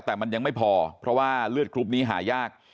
แต่มันยังไม่พอเพราะว่าเลือดกรุ๊ปนี้หายาก